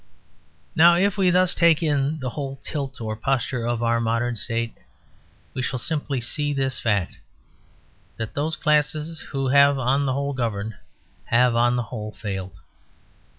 Now if we thus take in the whole tilt or posture of our modern state, we shall simply see this fact: that those classes who have on the whole governed, have on the whole failed.